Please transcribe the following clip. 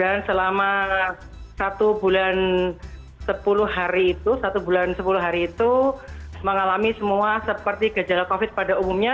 dan selama satu bulan sepuluh hari itu satu bulan sepuluh hari itu mengalami semua seperti gejala covid pada umumnya